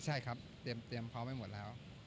ใช่ครับเตรียมพร้อมไว้หมดแล้ว